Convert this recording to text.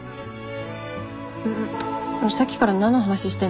さっきから何の話してんの？